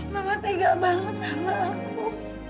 nont nega banget sama aku